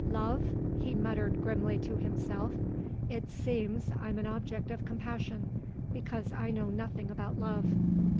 "Love?" he muttered grimly to himself. "It seems I'm an object of compassion, because I know nothing about love.